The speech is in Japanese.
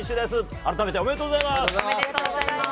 改めておめでとうございます。